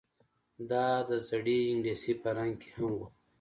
دا د زړې انګلیسي په رنګ کې هم وه